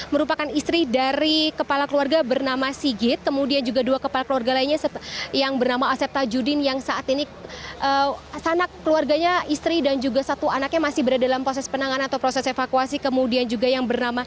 merupakan istri dari kepala keluarga bernama sigit kemudian juga dua kepala keluarga lainnya yang bernama asep tajudin yang saat ini sanak keluarganya istri dan juga satu anaknya masih berada dalam proses penanganan atau proses evakuasi kemudian juga yang bernama